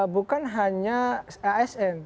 bukan hanya asn